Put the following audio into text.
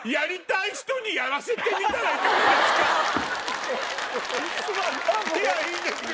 いやいいんですよ